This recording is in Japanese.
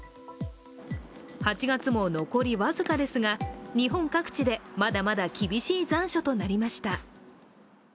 ８月も残り僅かですが日本各地でまだまだ厳しい残暑となりました。